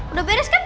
udah beres kan